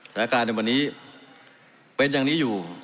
สถานการณ์ในวันนี้เป็นอย่างนี้อยู่